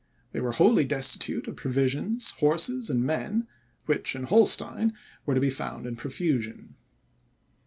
They were wholly destitute of provisions, horses, and men, which in Holstein were to be found in profusion.